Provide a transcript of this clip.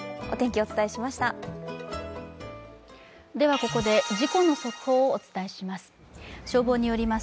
ここで事故の速報をお伝えします。